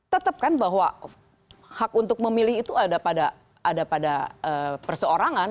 tetap kan bahwa hak untuk memilih itu ada pada perseorangan